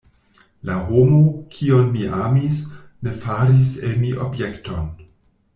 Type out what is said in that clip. La homo, kiun mi amis, ne faris el mi objekton.